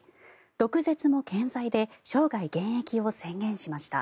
毒舌も健在で生涯現役を宣言しました。